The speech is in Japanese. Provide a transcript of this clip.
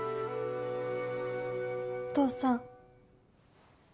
お父さん。